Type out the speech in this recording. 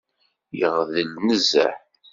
Yegdel nezzeh.